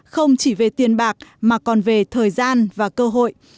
không chỉ về tiền bạc mà còn về thời gian và cơ hội